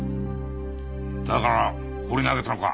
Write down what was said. だから放り投げたのか？